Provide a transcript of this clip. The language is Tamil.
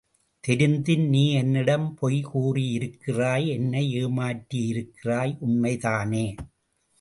தெரிந்தும், நீ என்னிடம் பொய்கூறியிருக்கிறாய் என்னை ஏமாற்றியிருக்கிறாய் உண்மைதானே?